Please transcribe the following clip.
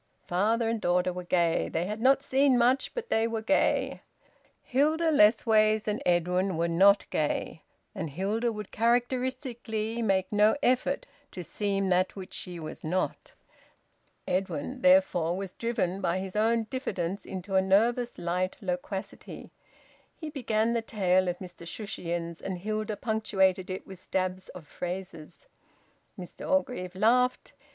Father and daughter were gay. They had not seen much, but they were gay. Hilda Lessways and Edwin were not gay, and Hilda would characteristically make no effort to seem that which she was not. Edwin, therefore, was driven by his own diffidence into a nervous light loquacity. He began the tale of Mr Shushions, and Hilda punctuated it with stabs of phrases. Mr Orgreave laughed.